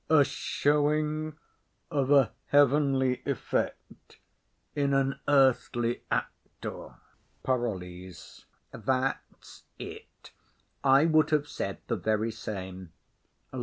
A showing of a heavenly effect in an earthly actor. PAROLLES. That's it; I would have said the very same.